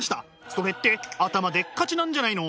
それって頭でっかちなんじゃないの？